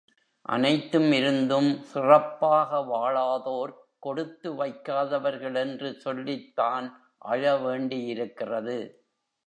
அனைத்தும் இருந்தும் சிறப்பாக வாழாதோர் கொடுத்து வைக்காதவர்கள் என்று சொல்லித் தான் அழவேண்டியிருக்கிறது.